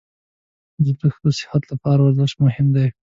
د زړه ښه صحت لپاره ورزش مهم دی.